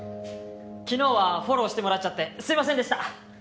昨日はフォローしてもらっちゃってすいませんでした！